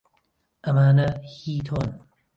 ئەمانە هیی تۆن؟